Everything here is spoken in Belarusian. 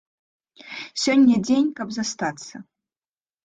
Сёння дзень, каб застацца.